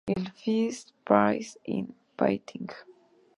El First Prize in Painting.